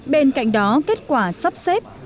bên cạnh đó kết quả sắp xếp